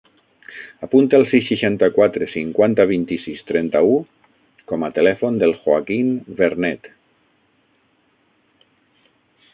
Apunta el sis, seixanta-quatre, cinquanta, vint-i-sis, trenta-u com a telèfon del Joaquín Vernet.